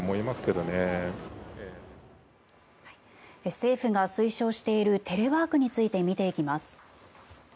政府が推奨しているテレワークについて見ていきます。